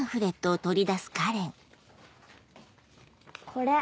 これ。